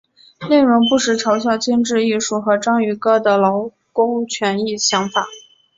内容不时嘲笑精致艺术和章鱼哥的劳工权益想法。